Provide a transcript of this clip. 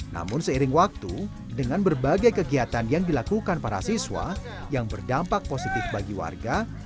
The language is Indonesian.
namun seiring waktu dengan berbagai kegiatan yang dilakukan para siswa yang berdampak positif bagi warga